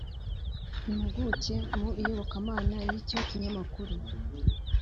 Impuguke mu Iyobokamana y’icyo kinyamakuru